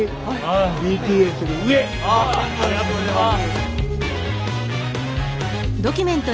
ありがとうございます。